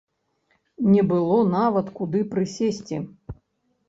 Не было нават куды прысесці.